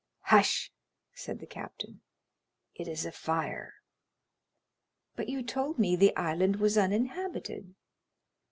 "Hush!" said the captain; "it is a fire." "But you told me the island was uninhabited?"